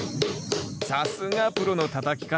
さすがプロのたたき方。